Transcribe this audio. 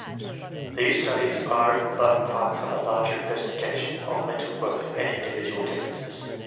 These studies are but parts of a larger investigation of mental growth and individual differences.